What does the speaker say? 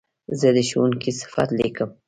زه د ښوونکي صفت لیکم.